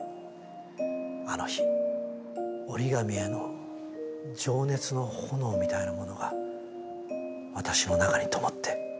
あの日折り紙への情熱の炎みたいなものが私の中にともって。